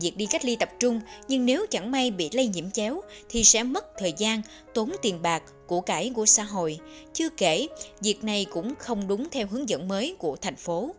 việc đi cách ly tập trung nhưng nếu chẳng may bị lây nhiễm chéo thì sẽ mất thời gian tốn tiền bạc củ cải của xã hội chưa kể việc này cũng không đúng theo hướng dẫn mới của thành phố